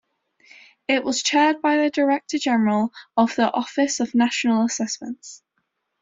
It was chaired by the Director General of the Office of National Assessments.